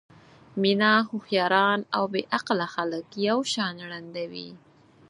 مینه هوښیاران او بې عقله خلک یو شان ړندوي.